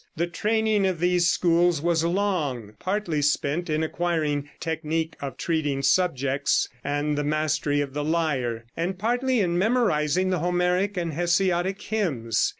The training of these schools was long, partly spent in acquiring technique of treating subjects and the mastery of the lyre, and partly in memorizing the Homeric and Hesiodic hymns.